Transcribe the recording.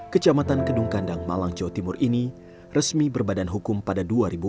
kejamatan kedungkandang malang jawa timur ini resmi berbadan hukum pada dua ribu empat belas